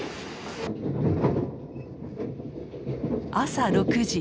朝６時。